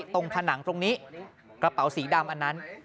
ผนังตรงนี้กระเป๋าสีดำอันนั้น